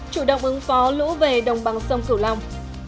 chủ động ứng phó lũ về đồng bằng sông cửu long